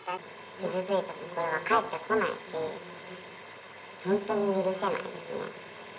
傷ついた心は返ってこないし、本当に許せないですね。